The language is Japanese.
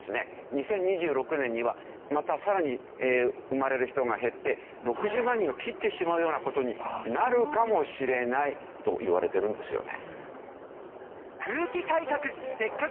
２０２６年にはまたさらに生まれる人が減って６０万人を切ってしまうような事になるかもしれないといわれてるんですよね。